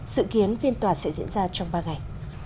sự kiến phiên tòa sẽ diễn ra trong ba ngày